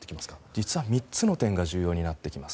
実は３つの点が重要になってきます。